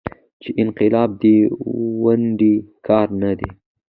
چې انقلاب دې منډې کار نه دى.